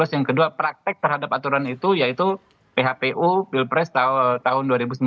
yang kedua praktek terhadap aturan itu yaitu phpu pilpres tahun dua ribu sembilan belas